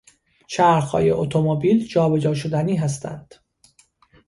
چرخهای اتومبیل جابجا شدنی هستند.